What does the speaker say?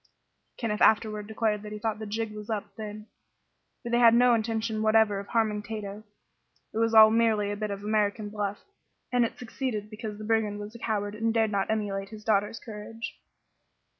Kenneth afterward declared that he thought "the jig was up" then, for they had no intention whatever of harming Tato. It was all merely a bit of American "bluff," and it succeeded because the brigand was a coward, and dared not emulate his daughter's courage.